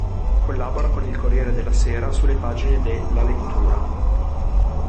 Collabora con il Corriere della Sera sulle pagine de "La Lettura".